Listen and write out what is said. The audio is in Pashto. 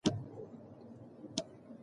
ټولنیز بدلون د وخت له تېرېدو راولاړېږي.